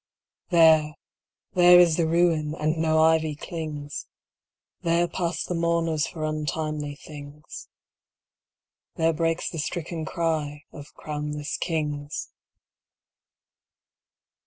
There, there is ruin, and no ivy clings; There pass the mourners for untimely things, There breaks the stricken cry of crownless kings.